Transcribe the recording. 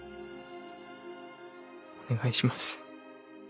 お願いします。